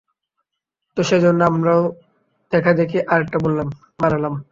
তো, সেজন্য আমরাও দেখাদেখি আরেকটা বানালাম।